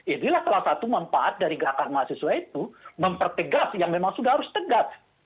itulah salah satu manfaat dari gata mahasiswa itu mempertegak yang memang sudah harus tegak